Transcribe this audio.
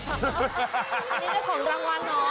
นี่จะของรางวัลเหรอ